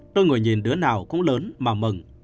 tôi ngồi nhìn đứa nào cũng lớn mà mừng